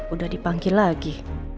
udah dipanggil lagi